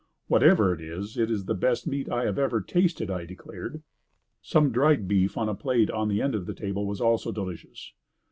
"Whatever it is, it is the best meat I have ever tasted," I declared. Some dried beef on a plate on the end of the table was also delicious.